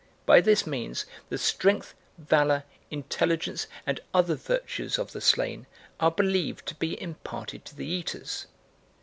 By this means the strength, valour, intelligence, and other virtues of the slain are believed to be imparted to the eaters.